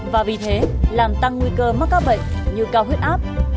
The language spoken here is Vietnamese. và vì thế làm tăng nguy cơ mắc các bệnh như cao huyết áp